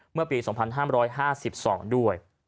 เมื่อปี๒๕๕๒ด้วย